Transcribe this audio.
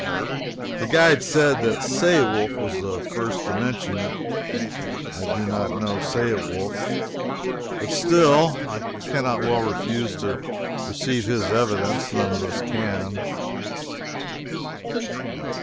The guide said that Saewulf was the first to mention it. I do not know Saewulf, but still, I cannot well refuse to receive his evidence none of us can.